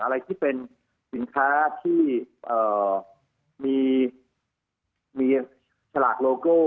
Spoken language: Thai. อะไรที่เป็นสินค้าที่มีฉลากโลโก้